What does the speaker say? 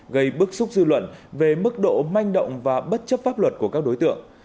gây bức xúc dư luận về mức độ manh động và bất chấp pháp luật của các đối tượng